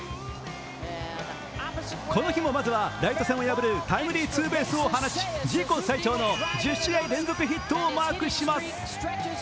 この日もまずはライト線を破るタイムリーツーベースを放ち、自己最長の１０試合連続ヒットをマークします。